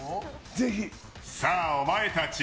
さあ、お前たち！